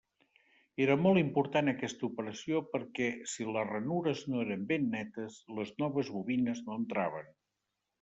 Era molt important aquesta operació perquè si les ranures no eren ben netes, les noves bobines no entraven.